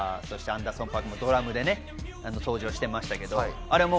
アンダーソン・パークもドラムでね登場してましたけど。